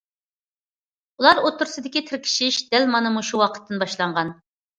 ئۇلار ئوتتۇرىسىدىكى تىركىشىش دەل مانا مۇشۇ ۋاقىتتىن باشلانغان.